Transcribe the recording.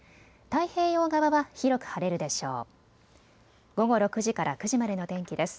太平洋側は広く晴れるでしょう。